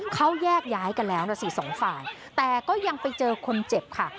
เขาแยกย้ายกันแล้วนะสิสองฝ่ายแต่ก็ยังไปเจอคนเจ็บค่ะ